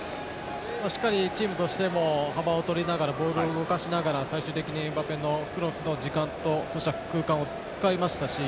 しっかりチームとしても幅を取りながらボールを動かしながら最終的にエムバペのクロスの時間と空間を使いましたし。